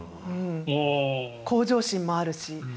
向上心もあるし。